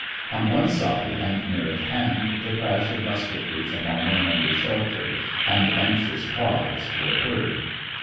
On one side, and near at hand, the crash of musketry from our men under shelter, and anxious cries, were heard.